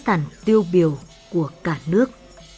đó là sức sản tiêu biểu của cả nước